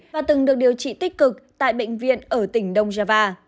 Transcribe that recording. và từng được điều trị tích cực tại bệnh viện ở tỉnh đông java